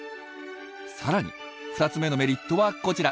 さらに２つ目のメリットはこちら。